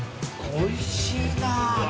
おいしいな。